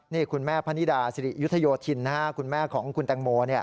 นี่คุณแม่พนิดาสิริยุทธโยธินคุณแม่ของคุณแตงโม